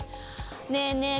ねえねえ